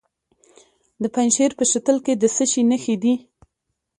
د پنجشیر په شتل کې د څه شي نښې دي؟